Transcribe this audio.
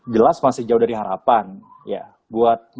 jelas masih jauh dari harapan ya buat